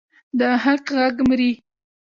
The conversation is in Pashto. د حق غږ مري؟